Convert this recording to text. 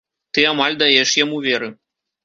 Ты амаль даеш яму веры.